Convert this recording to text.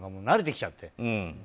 慣れてきちゃって。